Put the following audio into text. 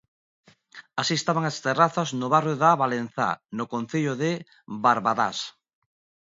Así estaban as terrazas no barrio da Valenzá, no concello de Barbadás.